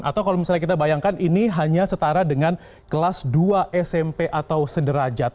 atau kalau misalnya kita bayangkan ini hanya setara dengan kelas dua smp atau sederajat